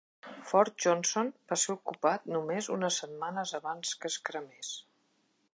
Fort Johnson va ser ocupat només unes setmanes abans que es cremés.